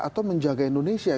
atau menjaga indonesia